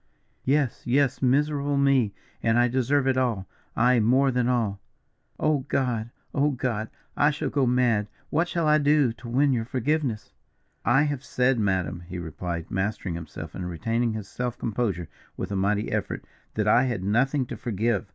"Yes, yes, miserable me, and I deserve it all, aye, more than all. Oh, God! oh, God! I shall go mad. What shall I do to win your forgiveness?" "I have said, madam," he replied, mastering himself and retaining his self composure with a mighty effort, "that I had nothing to forgive.